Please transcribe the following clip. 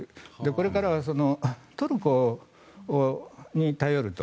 これからはトルコに頼ると。